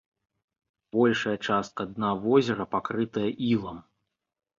Большая частка дна возера пакрытая ілам.